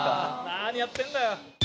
何やってんだよ！